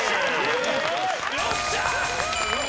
よっしゃー！